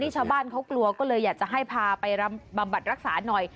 ชาวบ้านเขากลัวก็เลยอยากจะให้พาไปบำบัดรักษาหน่อย